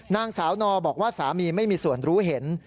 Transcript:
นางสาวนอบอกว่าสามีไม่มีส่วนรู้เห็น